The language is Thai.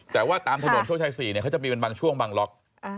แต่ว่าตามถนนโชคชัย๔เขาจะมีเป็นบางช่วงบางล็อก